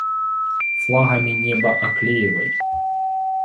Флагами небо оклеивай!